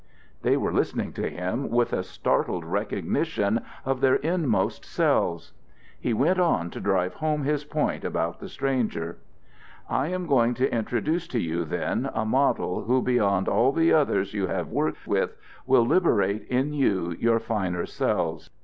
They were listening to him with a startled recognition of their inmost selves. He went on to drive home his point about the stranger: "I am going to introduce to you, then, a model who beyond all the others you have worked with will liberate in you your finer selves.